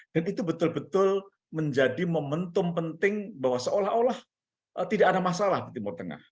dan itu betul betul menjadi momentum penting bahwa seolah olah tidak ada masalah di timur tengah